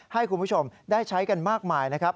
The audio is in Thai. ให้คุณผู้ชมได้ใช้กันมากมายนะครับ